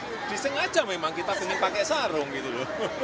ya disengaja memang kita ingin pakai sarung gitu loh